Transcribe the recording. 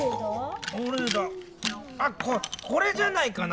あこれじゃないかな？